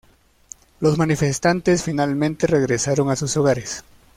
Los manifestantes finalmente regresaron a sus hogares.